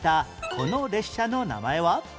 この列車の名前は？